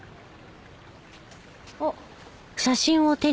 あっ。